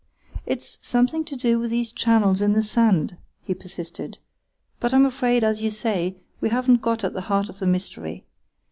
"It's something to do with these channels in the sand," he persisted, "but I'm afraid, as you say, we haven't got at the heart of the mystery.